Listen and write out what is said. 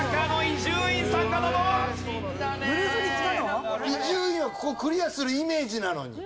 伊集院はここクリアするイメージなのに。